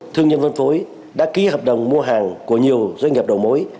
thương nhân phân phối đã ký hợp đồng mua hàng của nhiều doanh nghiệp đầu mối